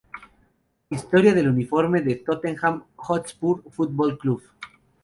Historia del uniforme del Tottenham Hotspur Football Club